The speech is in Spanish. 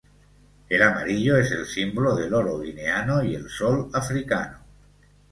El amarillo es el símbolo del oro guineano y el sol africano.